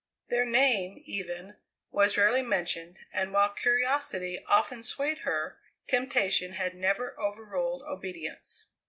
Their name, even, was rarely mentioned, and, while curiosity often swayed her, temptation had never overruled obedience.